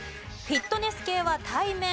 フィットネス系は対面